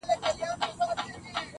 ستادی ،ستادی، ستادی فريادي گلي~